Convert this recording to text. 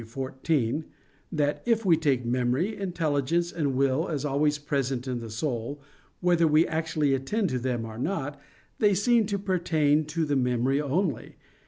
xiv) that "if we take memory, intelligence, and will as always present in the soul, whether we actually attend to them or not, they seem to pertain to the memory only.